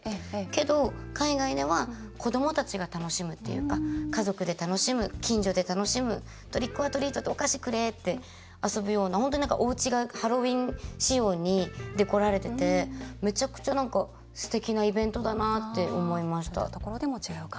けど、海外では子どもたちが楽しむっていうか家族で楽しむ、近所で楽しむトリックオアトリートお菓子くれって、遊ぶような本当に、おうちがハロウィーン仕様にデコられててむちゃくちゃすてきなイベントだなって思いました。